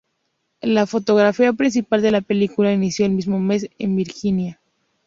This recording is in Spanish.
La fotografía principal de la película inició el mismo mes, en Virginia.